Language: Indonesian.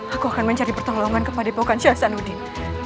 aku akan mencari pertolongan kepada epokan syah sanudin